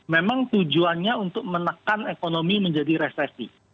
memang tujuannya untuk menekan ekonomi menjadi resesi